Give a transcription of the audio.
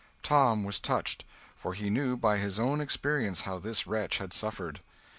Tom was touched, for he knew by his own experience how this wretch had suffered.